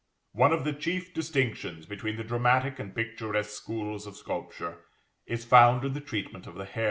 One of the chief distinctions between the dramatic and picturesque schools of sculpture is found in the treatment of the hair.